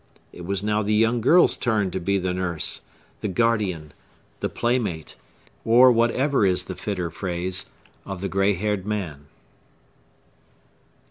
It was now the young girl's turn to be the nurse,—the guardian, the playmate,—or whatever is the fitter phrase,—of the gray haired man.